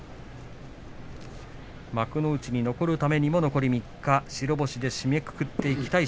幕内に残るためにも残り３日白星で締めくくっていきたい